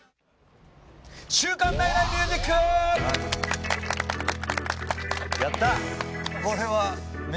『週刊ナイナイミュージック』やった！